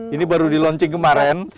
ini baru di launching kemarin